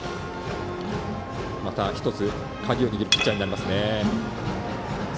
また１つ、鍵を握るピッチャーになりますね。